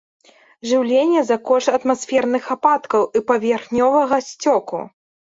Жыўленне за кошт атмасферных ападкаў і паверхневага сцёку.